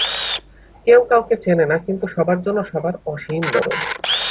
কেউ কাউকে চেনে না কিন্তু সবার জন্য সবার অসীম দরদ।